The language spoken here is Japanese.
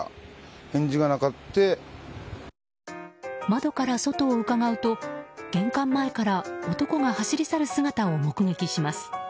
窓から外をうかがうと玄関前から、男が走り去る姿を目撃します。